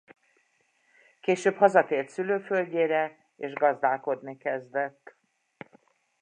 Később hazatért szülőföldjére és gazdálkodni kezdett.